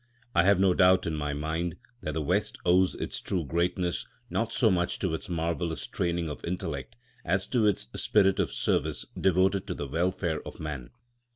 I have no doubt in my mind that the West owes its true greatness, not so much to its marvellous training of intellect, as to its spirit of service devoted to the welfare of man.